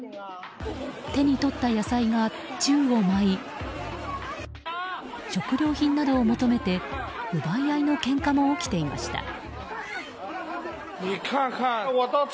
手に取った野菜が宙を舞い食料品などを求めて奪い合いのけんかも起きていました。